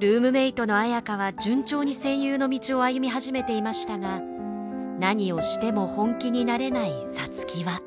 ルームメートの綾花は順調に声優の道を歩み始めていましたが何をしても本気になれない皐月は。